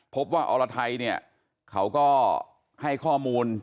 พบว่าอลาไทยเนี่ยเขาก็ให้ข้อมูล